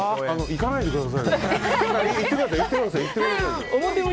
行かないでくださいよ。